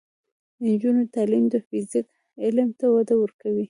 د نجونو تعلیم د فزیک علم ته وده ورکوي.